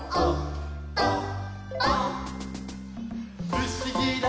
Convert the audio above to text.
「ふしぎだね」